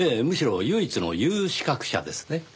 むしろ唯一の有資格者ですね。